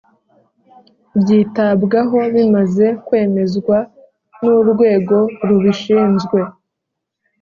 byitabwaho bimaze kwemezwa n urwego rubishinzwe